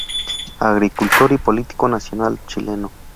Agricultor y político nacional chileno.